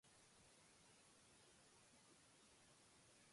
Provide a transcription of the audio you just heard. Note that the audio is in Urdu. وہ ہماری پہلی ملاقات تھی۔